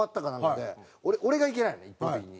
俺がいけないのに一方的に。